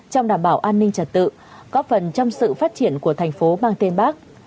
trong đảm bảo an ninh trật tự góp phần trong sự phát triển của thành phố mang tên bác